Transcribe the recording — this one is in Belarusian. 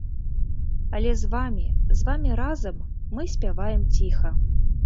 Але з вамі, з вамі разам мы спяваем ціха.